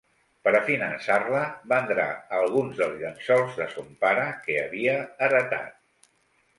Per a finançar-la vendrà alguns dels llenços de son pare que havia heretat.